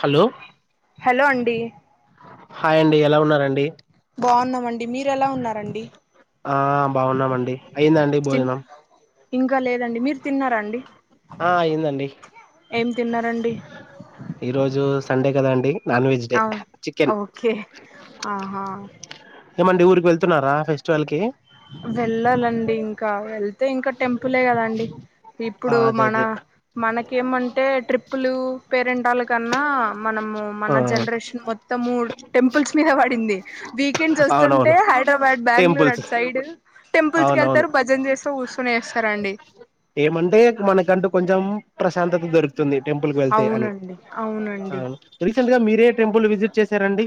Hello hello అండి hi అండి ఎలా ఉన్నారండి బాగున్నామండి మీరు ఎలా ఉన్నారండి ఆహ్ బాగున్నామండి అయిందండి తిన్ భోజనం ఇంకా లేదండి మీరు తిన్నారాండి ఆహ్ అయ్యిందండి ఏం తిన్నారండి ఈ రోజు సండే కదా అండి నాన్ వెజ్ డే అవును చికెన్ ఓకే ఆహా ఏమండి ఊరికి వెళ్తున్నారా ఫెస్టివల్ కి వెళ్ళాలండి ఇంకా వెళ్తే ఇంకా టెంపులే కదాండి ఆ ఇప్పుడు అదే మన అదే మనకేమంటే ట్రిప్పులు పేరెంటాల కన్నా మనము ఆ మన జనరేషన్ మొత్ త్తము టెంపుల్స్ మీద పడింది వీకెండ్స్ వస్తుంటే అవునవును హైదరాబాద్ బెంగళూరు టెంపుల్స్ అటు సైడ్ టెంపుల్స్ కి అవునవును వెళ్తారు భజన చేస్తా కూర్చొని వేస్తారండి ఏమంటే మనకంటూ కొంచెం ప్రశాంతత దొరుకు తుంది టెంపుల్ కి వెళ్తే అని అవునండి అవునండి ఆహ్ రీసెంట్ గా మీ రే టెంపుల్ విజిట్ చేశారండి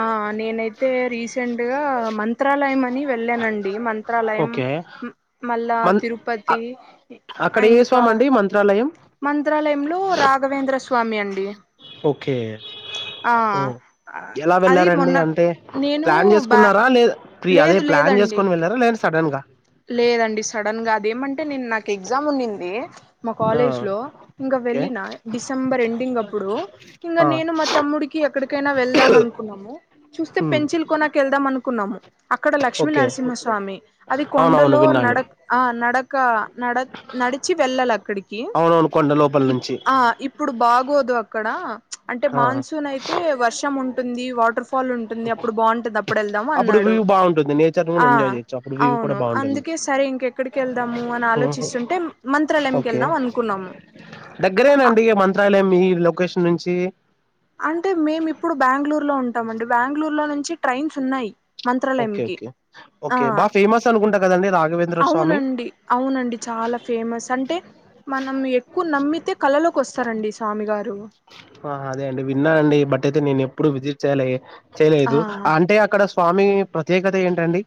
ఆ నేనైతే అయితే రీసెంట్ గా మంత్రాలయం అని వెళ్ళానండి మంత్రాలయం ఓకే మ అలా మన్ తిరుపతి అ- అక్కడ ఏ ఇంకా స్వామి అండి మంత్రాలయం మంత్రాలయంలో రాఘవేంద్ర స్వామి అండి ఓకే ఆ ఓ ఆ, ఎలా అది వెళ్లారండి మొన్న అంటే నేను ప్లాన్ బా చేసుకున్నారా లేద ఫీ అదే లేదు ప్లా ప్లాన్ లేదండి చేసుకోని వెళ్లరా లేేద సడన్ గా లేదండి సడన్ గా అదేమంటే నేను నాకు ఎగ్జామ్ ఉన్నింది మా ఆ కాలేజ్ లో ఇంకా ఓకే వెళ్ళిన డిసెంబర్ ఎండింగ్ అప్పుడు ఇంకా ఆ నేను మా తమ్ముడికి ఎక్కడికి అయిన వెల్దామ్ అనుకున్నాము చుస్తే హ్మ్ పెంచిల్ కోనాక్ కెళ్దాం అనుకున్నాము అక్కడ లక్ష్మీ ఓకే నరసింహస్వామి అది అవునవును కొండలో విన్నాను నడక్ ఆహ్ నడక నడక్ నడిచి వెళ్ళాలి అక్కడికి అవునవును కొండ లోపల ఇప్ నుంచి ఆ ఇప్పుడు బాగోదు అక్ అక్కడ అంటే ఆ మాన్సూన్ అయితే వర్షం ఉంటుంది వాటర్ ఫ ఫల్ ఉంటుంది అప్పుడు బాగుంటది అప్పుడు వెళ్దాం అప్పుడు అన్నాడు వ్యూ బాగుంటుంది నేచర్ కూడా ఆ ఎంజాయ్ చేయొచ్చు అప్పుడు వ్యూ కూడా అవును బాగుంటుంది అందుకే సరే ఇంకెక్కడికి వెళ్దాము అని ఓహో ఆలోచిస్తుంటే మంత్రాలయంకి ఓకే వెళ్దాం అనుకున్నాము అక్ దగ్గరేనండి మంత్రాలయం మీ లొకేషన్ నుంచి అంటే మేము ఇప్పుడు బెంగళూరులో ఉంటాము అండి బెంగళూరులో నుంచి ట్రైన్స్ ఉన్నాయి. ఓకే మంత్రాలయంకి ఓకే ఆ ఓకే బా ఫేమస్ అనుకుంటా కదండి రా అవునండి అవునండి చాలా ఫేమస్ అంటే మనం ఎక్కువ నమ్మితే కళలోకి వస్తారండి స్వామి గారు ఆహ్ అదే అండి విన్నాన అయితే నేను ఎప్పుడు విజిట్ చేయలే ఆ చేయలేదు అంటే అక్కడ స్వామి ప్రత్యేకత ఏంటండి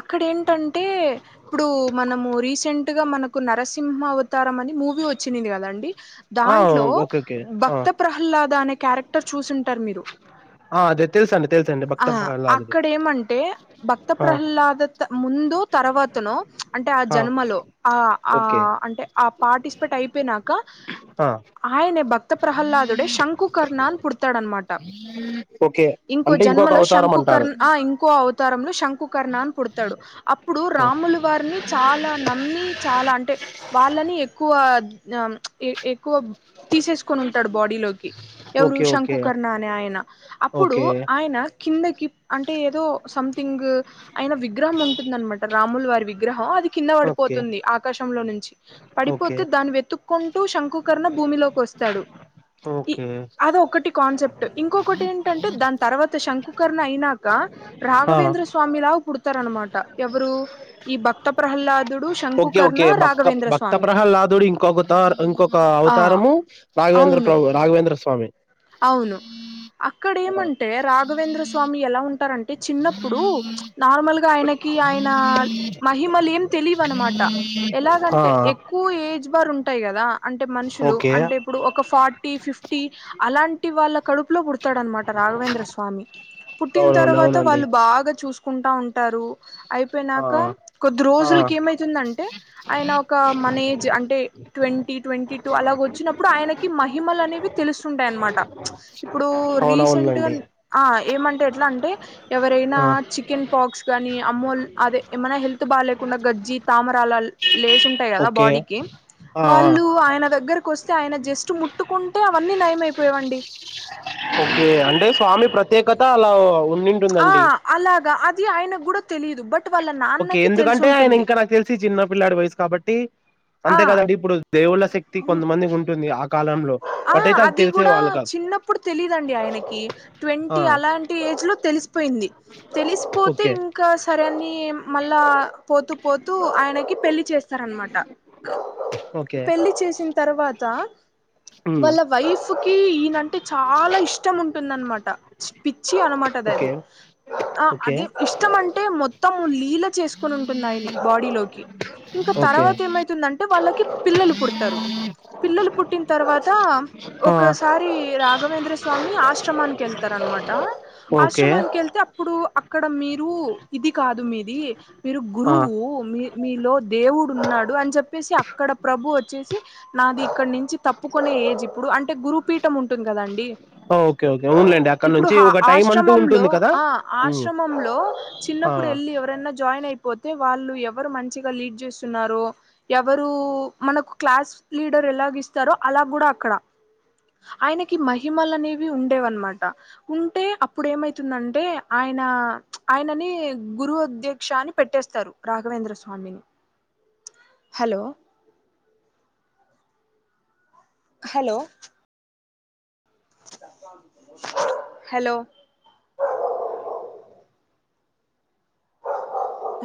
అక్కడ ఏంటంటే ఇప్పుడు మనము రీసె సెంట్ గా మనకు నరసింహ అవతారం అని మూవీ వచ్చినింది కదండి ఆ దాంట్లో ఓకే ఓకే ఆ భక్త ప్రహ్లాద అనే క్యారెక్టర్ చూసింటారు మీరు ఆ అదే తెలుస్ అన్ ఆ అక్కడ ఏమంటే భక్త ఆ ప్రహ్లాద త ముందు తర్వాతను అంటే ఆ జన్మలో ఆ ఆ ఓకే అంటే ఆ పార్టిసిపేట్ అయిపోయినాక ఆ ఆయనే భక్త ప్రహ్లాదుడే శంకుకర్ణ అన్ పుడతాడనమాట ఓకే ఇం ఇంకో అంటే ఇంకొక జన్మలో అవతారం అంటారు శంకుకర్ణ అ ఇంకో అవతారంలో శంకుకర్ణ అని పుడతాడు అప్పుడు ఆ రాములు వారిని చాలా నమ్మి చాలా అంటే వాళ్ళని ఎక్కువ ఆ ఎ ఎక్కువ తీసేసుకొని ఉంటాడు బాడీలోకి ఎవరు ఓకే ఓకే శంకుకర్ణ అనే ఆయన అప్పుడు ఓకే ఆయన కిందకి అంటే ఏదో సంథింగ్ అయిన విగ్రహం ఉంటుందనమాట రాముల వారి విగ్రహం అది కింద ఓకే పడిపోతుంది ఆకాశంలో నుంచి ఓకే పడిపోతే దాన్ని వెతుక్కుంటూ శంకుకర్ణ భూమిలోకి వ స్తాడు ఓకే అది ఒకటి కాన్సెప్ట్ ఇంకొకటి ఏంటంటే ద తర్వాత శంకుకర్ణ అయినాక ఆ రాఘవేంద్ర స్వామిలా పుడతా నమాట ఎవరు ఈ భక్త ప్ర దుడు శం ఓకే ఓకే భక్త భక్త ప్రహలాదుడు ఇంకొక ఇంకొక ఆ అవతారము రాఘవేంద్ర ప్ర అవును రాఘవేంద్ర సు అవును హ అక్కడ ఏమంటే రాఘవేంద్ర స్వామి ఎలా ఉంటారంటే చిన్నప్పుడు నార్మల్ గా ఆయనకి కి ఆయన మహిమలు ఏం తెలియ ఇవ అనమాట ఆ ఎలాగంటే ఎక్కువ ఏజ్ బారు ఉంటాయి గదా అంటే మనుషులు ఓకే అంటే ఇప్పుడు ఒక ఫార్టీ ఫిఫ్టీ అలాంటి వాళ్ళ కడుపు లో పుడతాడనమాట రాఘవేంద్ర స్వామి పుట్టిన అవునవును తర్వాత అవునండి వాళ్లు బాగ చూ కుంటా ఉంటారు ఆ అయిపోయినాక కొద్ది ఆ రోజులకి ఏమైతుందంటే ఆయన ఓక మన ఏజ్ అంటే ట్వంటీ ట్వంటీ టూ అలాగ వచ్చినప్పుడు ఆయనకి మహిమలు అనేవి తెలుసు కుంటాయినమాట ఇప్పుడు రీసెంట్ గా అవునవునులేండి ఏమంటే ఎట్లా అంటే ఎవరైనా ఆ చికెన్ పాక్స్ గానీ అమ్మోళ్లు అదే ఏమైనా హెల్త్ బాగా లేకుండా గజ్జి తామరా అల లేసుంటాయి గదా ఓకే బాడీకి ఆ ఆ వాళ్ళు ఆయన దగ్గర కొస్తే ఆయన జస్ట్ ముట్టుకుంటే అవన్నీ నయమైపోయేవండి. ఓకే అంటే స్వామి ప్రత్యేకత అలా ఉ ఆ అలాగా అది ఆయనకు కూడా తెలిదు బట్ వాళ్ళ ఓకే నాన్నకి ఎందుకంటే ఆయన తెలిసుంటుంది ఇంకా నాకు తెలిసి చిన్న పిల్లాడి వయసు కాబట్టి ఆ అంతే కదండి ఇప్పుడు దేవుళ్ళ శక్తి కొంతమందికి ఉంటుంది ఆ కాలంలో ఆ బట్ అయితే అది తెలిసే కూడా వాళ్ళు కాదు చిన్నప్పుడు తెలిదండి ఆయనకి ఆ ట్వంటీ అలాంటి ఏజ్ లో తెలిసిపోయింది. తెలిసిపోతే ఓకే ఇంకా సరేని మళ్ళా పోతూ పోతూ ఆయనకి పెళ్ళి చె సర్మాట ఓకే పెళ్లిి చేసిన తర్వాత ఉమ్ వాళ్ళ వైఫ్ కి ఈయనంటే చాలా ఇష్టం ఉంటుందనమాట పిచ్చి అనుమా ఓకే అది ఓకే అది ఇష్టం అంటే మొత్తం లీల చేసుకుని ఉంటుంది ఆయని బాడీ లోకి ఇంకా ఓకే తర్వాత ఏమైతుందంటే వాళ్ళకి పిల్లలు పుడతారు పిల్లలు పుట్ పుట్టిన తర్వాత ఆ ఒకసారి రాఘవేంద్ర స్వామి ఆశ్రమానికి వెళ్తారనమాట ఓకే ఆశ్రమానికి వెళ్తే అప్పుడు అక్కడ మీరు ఇది కాదు మీది మీరు ఆ గురువు మీ మీలో దేవుడు ఉన్నాడు అని చెప్ చెప్పేసి అక్కడ ప్రభువు వచ్చేసి నాది ఇక్కడ నుంచి తప్పుకునే ఏజ్ ఇప్పుడు అంటే గురుపీఠం ఉంటుంది కదండి కా గౌన్లేండి. ఇప్పుడు హ ఆశ్రమంలో ఆ ఉమ్ ఆశ్రమంలో ఆ చిన్నప్పుడు వెళ్ళి ఎవరన్నా జాయిన్ అయ్ అయిపోతే వాళ్ళు ఎవరు మంచిగా లీడ్ చేస్తున్నారో ఎవరు మనకు క్లాస్ లీ డర్ ఎలాగ ఇస్తారో అలా గూడా అక్కడ ఆయనకి మహిమలు అనేవి ఉండేవనమాట ఉంటే అప్పుడు ఏమైతుందంటే ఆయన ఆయన ఆయనని గురువధ్యక్ష అని పెట్టేస్తారు రాఘవేంద్ర స్వామిని అ హలో హలో హలో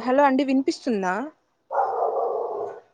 హలో అండి వినిపిస్తుందా